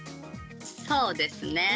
そうですね。